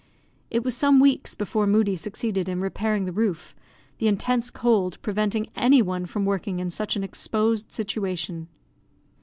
It was some weeks before Moodie succeeded in repairing the roof, the intense cold preventing any one from working in such an exposed situation.